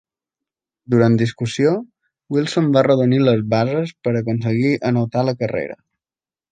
Durant discussió, Wilson va arrodonir les bases per aconseguir anotar la carrera.